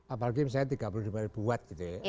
apalagi misalnya tiga puluh lima ribuan buat gitu ya